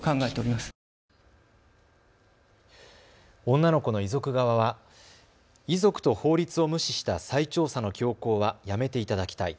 女の子の遺族側は遺族と法律を無視した再調査の強行はやめていただきたい。